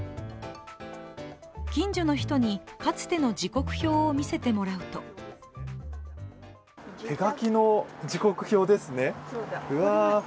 近所の人に、かつての時刻表を見せてもらうと手書きの時刻表ですね、うわ。